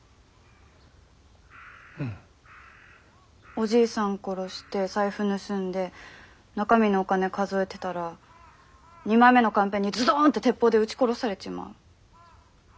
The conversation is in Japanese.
おじいさん殺して財布盗んで中身のお金数えてたら二枚目の勘平にズドンって鉄砲で撃ち殺されちまう。